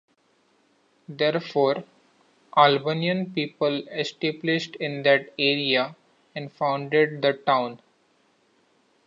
Therefore, Albanian people established in that area and founded the town.